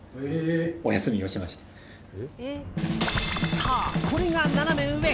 そう、これがナナメ上。